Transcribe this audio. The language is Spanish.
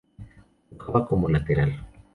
Jugaba como lateral.